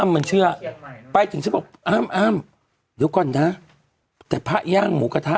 มันเชื่อไปถึงฉันบอกอ้ำอ้ำเดี๋ยวก่อนนะแต่พระย่างหมูกระทะ